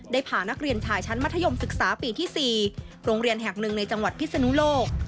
พานักเรียนชายชั้นมัธยมศึกษาปีที่๔โรงเรียนแห่งหนึ่งในจังหวัดพิศนุโลก